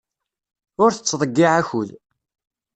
Ur tettḍeyyiɛ akud.